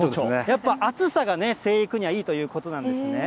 暑さが生育にはいいということなんですね。